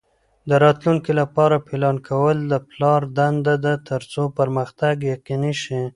د راتلونکي لپاره پلان کول د پلار دنده ده ترڅو پرمختګ یقیني شي.